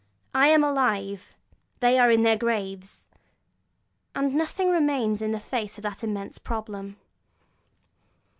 'I am alive, they are in their graves!' and nothing remains to be said in the face of that immense problem.